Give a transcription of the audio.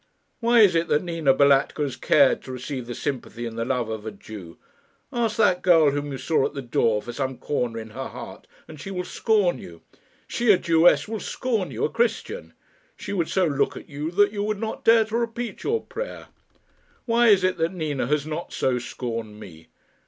Why is it that Nina Balatka has cared to receive the sympathy and the love of a Jew? Ask that girl whom you saw at the door for some corner in her heart, and she will scorn you. She, a Jewess, will scorn you, a Christian. She would so look at you that you would not dare to repeat your prayer. Why is it that Nina has not so scorned me?